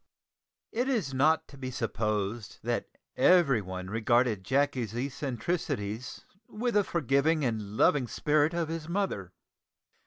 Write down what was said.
It is not to be supposed that everyone regarded Jacky's eccentricities with the forgiving and loving spirit of his mother.